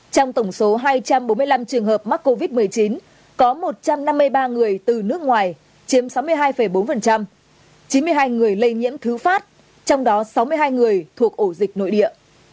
trong tổng số hai trăm bốn mươi năm trường hợp mắc covid một mươi chín có một trăm năm mươi ba người từ nước ngoài chiếm sáu mươi hai bốn chín mươi hai người lây nhiễm thứ phát trong đó sáu mươi hai người thuộc ổ dịch nội địa